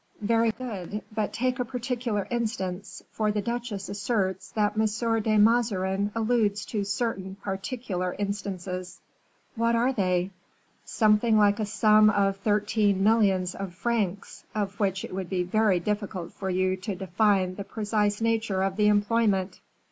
"Very good; but take a particular instance, for the duchesse asserts that M. de Mazarin alludes to certain particular instances." "What are they?" "Something like a sum of thirteen millions of francs, of which it would be very difficult for you to define the precise nature of the employment."